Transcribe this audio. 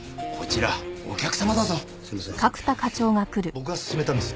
僕が勧めたんです。